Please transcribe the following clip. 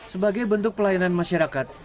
sebagai bentuk pelayanan masyarakat